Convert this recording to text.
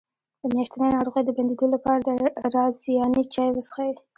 د میاشتنۍ ناروغۍ د بندیدو لپاره د رازیانې چای وڅښئ